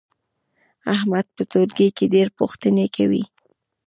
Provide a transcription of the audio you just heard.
احمد په ټولګي کې ډېر پوښتنې کوي.